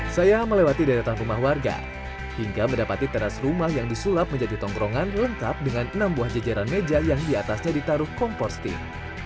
saya melewati deretan rumah warga hingga mendapati teras rumah yang disulap menjadi tongkrongan lengkap dengan enam buah jejeran meja yang diatasnya ditaruh kompor sting